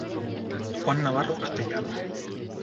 Juan Navarro Castellanos.